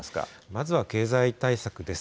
まずは経済対策です。